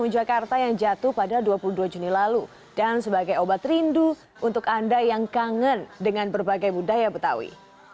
jakarta yang jatuh pada dua puluh dua juni lalu dan sebagai obat rindu untuk anda yang kangen dengan berbagai budaya betawi